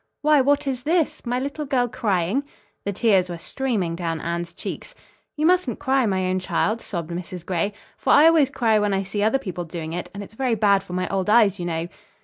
Why, what is this! My little girl crying?" The tears were streaming down Anne's cheeks. "You mustn't cry, my own child," sobbed Mrs. Gray. "For I always cry when I see other people doing it, and it's very bad for my old eyes, you know."